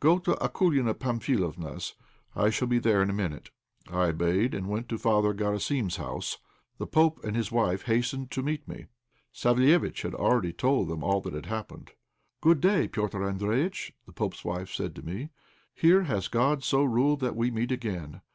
Go to Akoulina Pamphilovna's; I shall be there in a minute." I obeyed and went to Father Garasim's house. The pope and his wife hastened to meet me. Savéliitch had already told them all that had happened. "Good day, Petr' Andréjïtch," the pope's wife said to me; "here has God so ruled that we meet again.